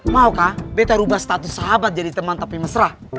maukah beta rubah status sahabat jadi teman tapi mesra